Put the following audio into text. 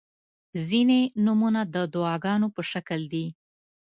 • ځینې نومونه د دعاګانو په شکل دي.